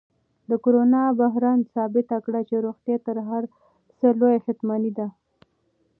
د کرونا بحران ثابت کړه چې روغتیا تر هر څه لویه شتمني ده.